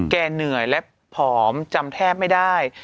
เหนื่อยและผอมจำแทบไม่ได้